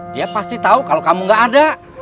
dia pasti tahu kalau kamu gak ada